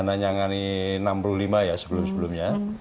nanyangani enam puluh lima ya sebelum sebelumnya